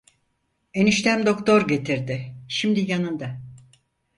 Eniştem doktor getirdi, şimdi yanında…